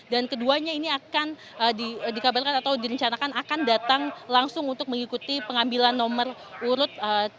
dan keduanya ini akan dikabarkan atau direncanakan akan datang langsung untuk mengikuti pengambilan nomor urut